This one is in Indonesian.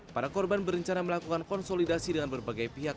para korban berencana melakukan konsolidasi dengan berbagai pihak